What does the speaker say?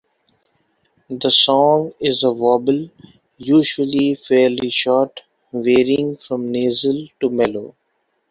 The song is a warble, usually fairly short, varying from nasal to mellow.